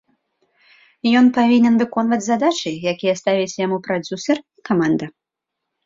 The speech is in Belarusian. Ён павінен выконваць задачы, якія ставіць яму прадзюсар і каманда.